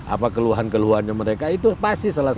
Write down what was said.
apa keluhan keluhannya mereka itu pasti salah satu